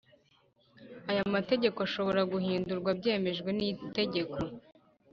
Aya mategeko ashobora guhindurwa byemejwe n’itegeko